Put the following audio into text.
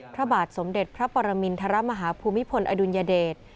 พระบาทสมเด็จพระปรมินทรมาฮภูมิพลอดุลยเดช